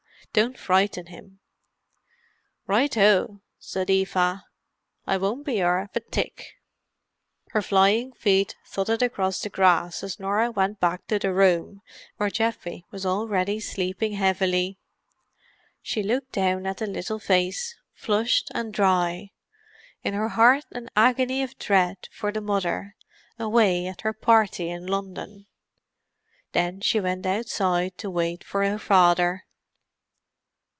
Don't frighten him." "Right oh!" said Eva. "I won't be 'arf a tick." Her flying feet thudded across the grass as Norah went back to the room where Geoffrey was already sleeping heavily. She looked down at the little face, flushed and dry; in her heart an agony of dread for the Mother, away at her party in London. Then she went outside to wait for her father.